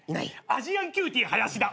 アジアンキューティーハヤシダ。